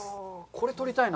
これ、採りたいな。